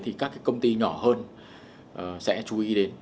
thì các cái công ty nhỏ hơn sẽ chú ý đến